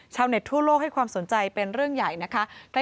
ทั่วโลกให้ความสนใจเป็นเรื่องใหญ่นะคะ